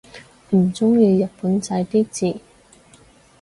唔中意日本仔啲字